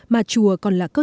mà chùa còn là cấp phụ nữ